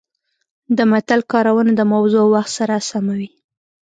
د متل کارونه د موضوع او وخت سره سمه وي